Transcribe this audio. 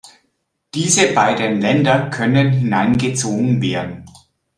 Diese beiden Länder können hineingezogen werden.